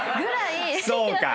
そうか。